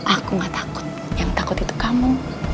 aku gak takut yang takut itu kamu